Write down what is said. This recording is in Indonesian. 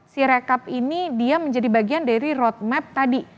si rekap ini dia menjadi bagian dari roadmap tadi